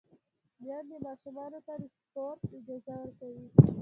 میندې ماشومانو ته د سپورت اجازه ورکوي۔